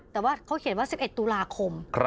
แต่ว่าเขาเขียนว่า๑๑ตุลาคม